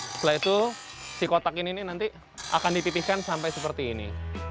setelah itu si kotak ini nanti akan dipipihkan sampai seperti ini